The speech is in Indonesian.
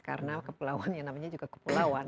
karena kepulauan yang namanya juga kepulauan